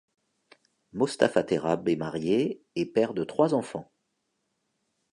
Mostafa Terrab est marié et père de trois enfants.